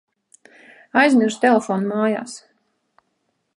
Aizmirsu telefonu mājās.